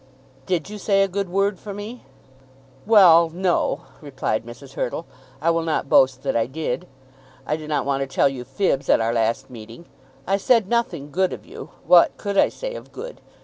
"Did you say a good word for me?" "Well; no;" replied Mrs. Hurtle. "I will not boast that I did. I do not want to tell you fibs at our last meeting. I said nothing good of you. What could I say of good?